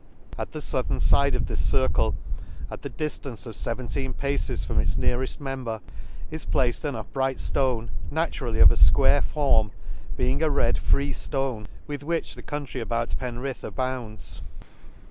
— At the fouthern fide of this circle, at the diftance of feventeen paces from its neareft member, is placed an upright {lone naturally of a fquare form, being a red free ftone, w r ith which the country about Penrith abounds.